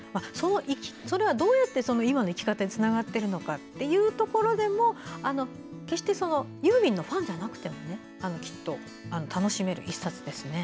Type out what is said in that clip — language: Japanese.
それはどうやって今の生き方につながっているのかというところも決してユーミンのファンじゃなくても楽しめる１冊ですね。